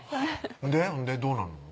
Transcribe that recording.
ほんでどうなんの？